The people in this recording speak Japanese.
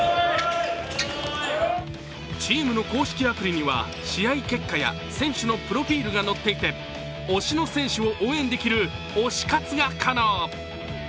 チームの公式アプリには試合結果や選手のプロフィールが載っていて推しの選手を応援できる推し活が可能。